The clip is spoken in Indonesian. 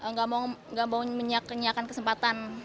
nggak mau menyiapkan kesempatan